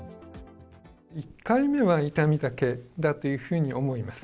１回目は痛みだけだというふうに思います。